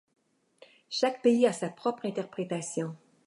Chaque pays a sa propre interprétation.